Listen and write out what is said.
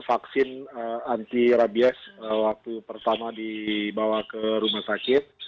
vaksin anti rabies waktu pertama dibawa ke rumah sakit